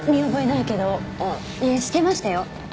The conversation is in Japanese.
いやしてましたよ。